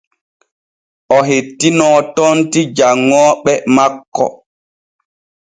O hettinoo tonti janŋooɓe makko.